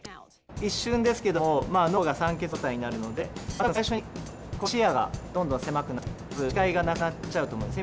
一瞬ですけどもまあ脳が酸欠状態になるのでまあ多分最初に視野がどんどん狭くなってまず視界がなくなっちゃうと思うんですね。